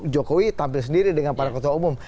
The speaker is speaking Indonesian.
jokowi tampil sendiri dengan para ketua umum